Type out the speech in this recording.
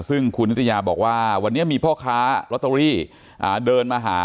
ซึ่งคุณนิตยาบอกว่าวันนี้มีพ่อค้าลอตเตอรี่เดินมาหา